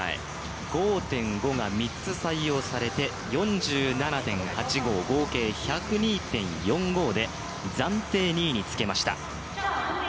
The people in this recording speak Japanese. ５．５が３つ採用されて４７．８５、合計１０２．４５で、暫定２位につけました。